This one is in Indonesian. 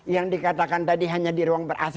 yang dikatakan tadi hanya di ruang ber ac